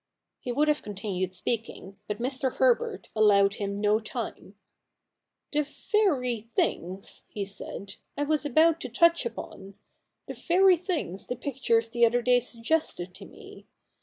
He would have continued speaking ; but Mr. Herbert allowed him no time. 'The very things,' he said, 'I was about to touch upon — the very things the pictures the other day c 2 36 THE NEW REPUBLIC [bk. i suggested to me.